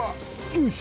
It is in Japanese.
よし！